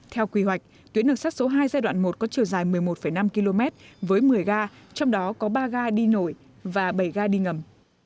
theo quy hoạch tuyến đường sắt số hai giai đoạn một có chiều dài một mươi một năm km với một mươi ga trong đó có ba ga đi nổi và bảy ga đi ngầm